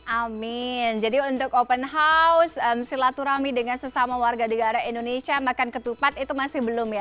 amin jadi untuk open house silaturahmi dengan sesama warga negara indonesia makan ketupat itu masih belum ya